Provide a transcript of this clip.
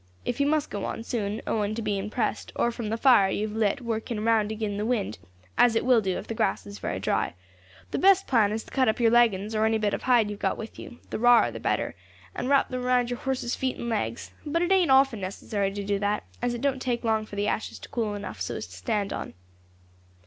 If you must go on soon, owing to being pressed, or from the fire you have lit working round agin the wind as it will do if the grass is very dry the best plan is to cut up your leggings, or any bit of hide you have got with you, the rawer the better, and wrap them round your horse's feet and legs; but it ain't often necessary to do that, as it don't take long for the ashes to cool enough so as to stand on."